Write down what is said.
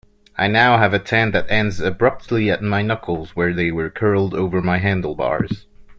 I now have a tan that ends abruptly at my knuckles where they were curled over my handlebars.